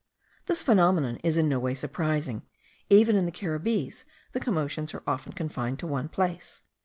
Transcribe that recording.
This phenomenon is in no way surprising: even in the Caribbees the commotions are often confined to one place.